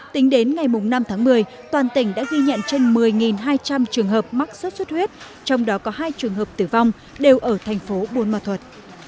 tính đến ngày năm tháng một mươi toàn tỉnh đã ghi nhận trên một mươi hai trăm linh trường hợp mắc sốt xuất huyết trong đó có hai trường hợp tử vong đều ở thành phố buôn ma thuật